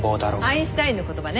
アインシュタインの言葉ね。